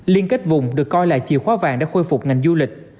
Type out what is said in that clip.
liên kết vùng được coi là chiều khóa vàng để khôi phục ngành du lịch